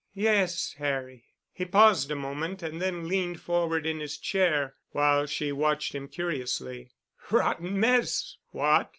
"Yes, Harry." He paused a moment and then leaned forward in his chair while she watched him curiously. "Rotten mess! What?"